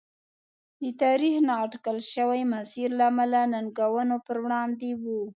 د تاریخ نااټکل شوي مسیر له امله ننګونو پر وړاندې و.